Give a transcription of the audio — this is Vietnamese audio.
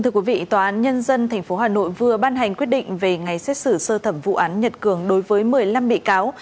thưa quý vị tòa án nhân dân tp hà nội vừa ban hành quyết định về ngày xét xử sơ thẩm vụ án nhật cường đối với một mươi năm bị cáo